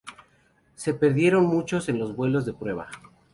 Se perdieron muchos en los vuelos de prueba.